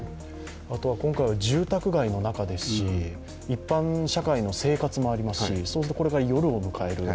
後は今回は住宅街の中ですし、一般社会の生活もありますしそうするとこれから夜を迎える。